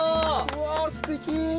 うわすてき。